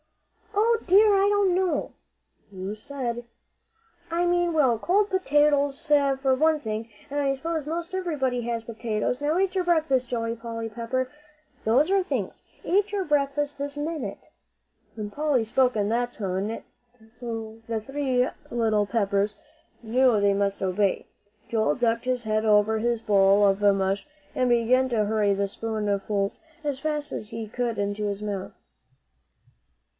"O dear, I don't know." "You said " "I mean well, cold potatoes, for one thing. I s'pose most everybody has potatoes. Now eat your breakfast, Joey Pepper. Those are things. Eat your breakfast this minute!" When Polly spoke in that tone, the three little Peppers knew they must obey. Joel ducked his head over his bowl of mush, and began to hurry the spoonfuls as fast as he could into his mouth.